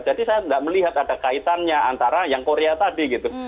jadi saya tidak melihat ada kaitannya antara yang korea tadi gitu